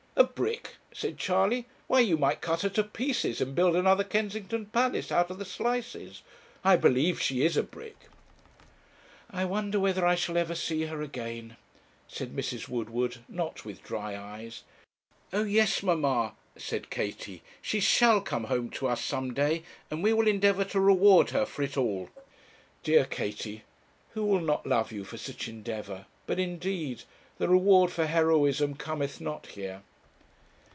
'A brick!' said Charley 'why you might cut her to pieces, and build another Kensington palace out of the slices. I believe she is a brick.' 'I wonder whether I shall ever see her again?' said Mrs. Woodward, not with dry eyes. 'Oh yes, mamma,' said Katie. 'She shall come home to us some day, and we will endeavour to reward her for it all.' Dear Katie, who will not love you for such endeavour? But, indeed, the reward for heroism cometh not here.